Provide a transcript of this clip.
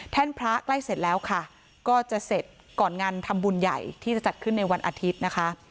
พระใกล้เสร็จแล้วค่ะก็จะเสร็จก่อนงานทำบุญใหญ่ที่จะจัดขึ้นในวันอาทิตย์นะคะ